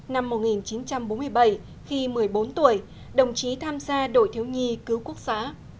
năm một nghìn chín trăm bốn mươi bảy khi một mươi bốn tuổi đồng chí tham gia đội thiếu nhi cứu quốc xã